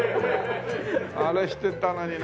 あれしてたのに。